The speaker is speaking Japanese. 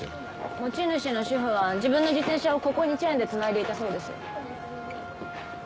持ち主の主婦は自分の自転車をここにチェーンでつないでいたそうです